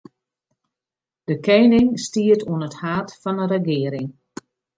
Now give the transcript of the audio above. De kening stiet oan it haad fan 'e regearing.